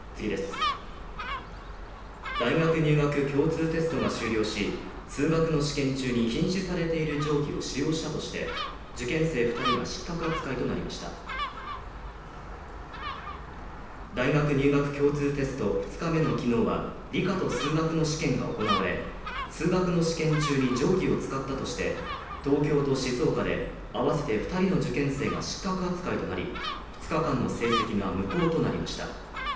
大学入学共通テストが終了し数学の試験中に禁止されている定規を使用したとして受験生２人が失格扱いとなりました大学入学共通テスト２日目の昨日は理科と数学の試験が行われ数学の試験中に定規を使ったとして東京と静岡で合わせて２人の受験生が失格扱いとなり、２日間の成績が無効となりました。